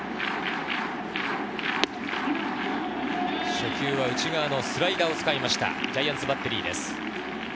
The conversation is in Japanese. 初球は内側のスライダーを使いましたジャイアンツバッテリーです。